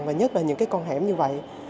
và nhất là những con hẻm như vậy